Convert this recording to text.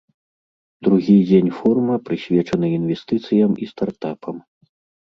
Другі дзень форума прысвечаны інвестыцыям і стартапам.